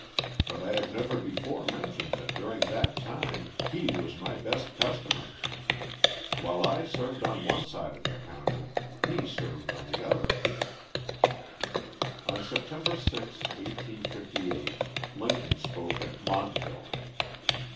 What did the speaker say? But I have never before mentioned that during that time, he was my best customer. While I served on one side of the counter, he served on the other." On Sept. 6, 1858, Lincoln spoke at Montville.